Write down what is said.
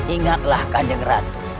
ingatlah kanjeng ratu